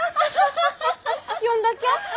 呼んだきゃ？